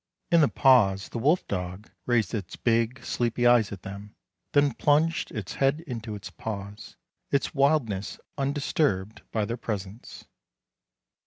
In the pause the wolf dog raised its big, sleepy eyes at them, then plunged its head into its paws, its wildness undisturbed by their presence.